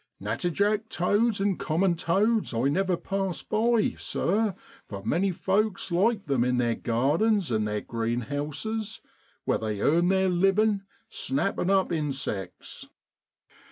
4 Natterjack toads and common toads I never pass by, sir, for many folks like them in their gardens and their greenhouses, where they earn their living snapping up the insects.